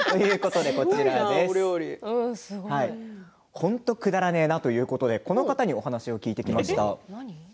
本当くだらねえということで、この方に話を聞いてきました。